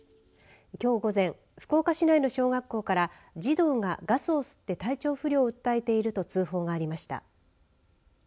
きょう午前福岡市内の小学校から児童がガスを吸って体調不良を訴えていると通報がありました。